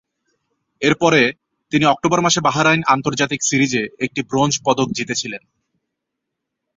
এরপরে, তিনি অক্টোবর মাসে বাহরাইন আন্তর্জাতিক সিরিজে একটি ব্রোঞ্জ পদক জিতেছিলেন।